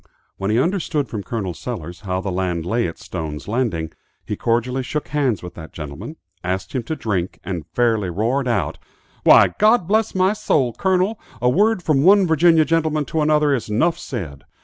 When he understood from Col. Sellers. how the land lay at Stone's Landing, he cordially shook hands with that gentleman, asked him to drink, and fairly roared out, "Why, God bless my soul, Colonel, a word from one Virginia gentleman to another is 'nuff ced.'